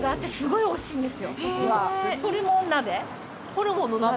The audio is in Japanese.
ホルモンの鍋？